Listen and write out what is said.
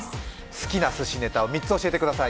好きなすしネタを３つ教えてください。